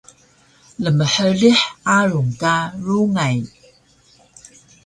lmhlih arung ka rungay